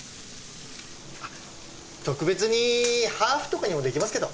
特別にハーフとかにもできますけど。